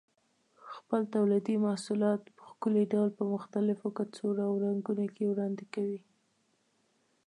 خپل تولیدي محصولات په ښکلي ډول په مختلفو کڅوړو او رنګونو کې وړاندې کوي.